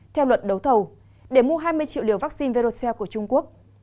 theo luận đấu thầu để mua hai mươi triệu liều vaccine vercell của trung quốc